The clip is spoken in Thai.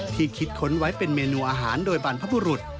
คิดค้นไว้เป็นเมนูอาหารโดยบรรพบุรุษ